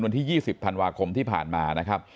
วันที่๒๐ธันวาคมที่ผ่านมานะครับ